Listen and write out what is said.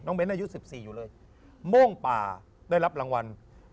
น้องเบนอายุ๑๔ม่วงป่าได้รับรางวัล